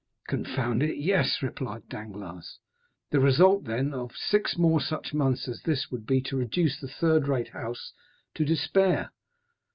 "Confound it, yes!" replied Danglars. "The result, then, of six more such months as this would be to reduce the third rate house to despair."